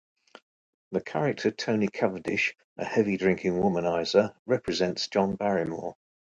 The character Tony Cavendish, a heavy-drinking womanizer, represents John Barrymore.